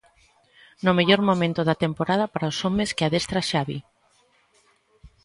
No mellor momento da temporada para os homes que adestra Xavi.